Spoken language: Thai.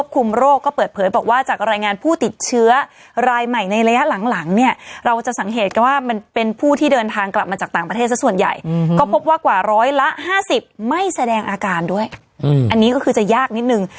ก็พบว่ากว่า๑๐๐ละ๕๐ไม่แสดงอาการด้วยอันนี้ก็คือจะยากนิดนึง